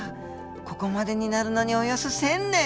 ここまでになるのにおよそ１，０００年。